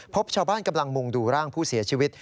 พบชาวบ้านกำลังมุ่งดูร่างผู้เสียชีวิต